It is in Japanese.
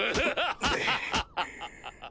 ハハハハ！